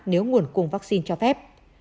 nếu nguồn cùng vaccine cho phép